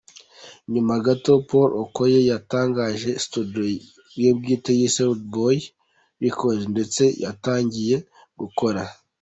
Nyuma gato Paul Okoye yatangije studio ye bwite yise Rudeboy Records ndetse yatangiye gukora.